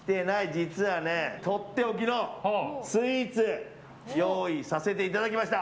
実はね、とっておきのスイーツ用意させていただきました。